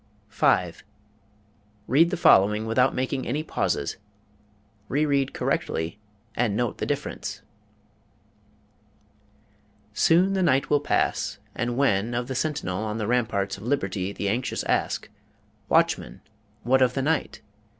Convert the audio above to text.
5. Read the following without making any pauses. Reread correctly and note the difference: Soon the night will pass; and when, of the Sentinel on the ramparts of Liberty the anxious ask: | "Watchman, what of the night?"